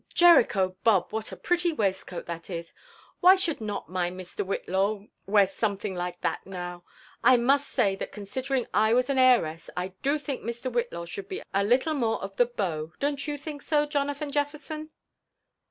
Jericho bob I what a pretty waistcoat that isl Why should not my Mr. Whillaw wear something like that now ? I must say, that considering I was an heiress, 1 do tliink Mr. Whitlaw should be a little more of a beau: don't you think so, Jonathan Jeflerson?"